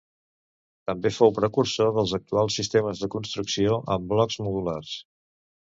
També fou precursor dels actuals sistemes de construcció amb blocs modulars.